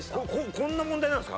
こんな問題なんですか？